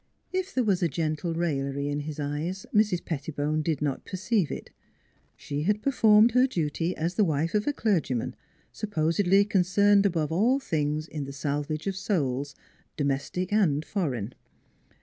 If there was a gentle raillery in his eyes Mrs. Pettibone did not perceive it. She had performed her duty, as the NEIGHBORS 207 wife of a clergyman, supposedly concerned above all things in the salvage of souls, domestic and foreign.